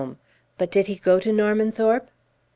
"But did he go to Normanthorpe?"